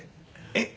「えっ？」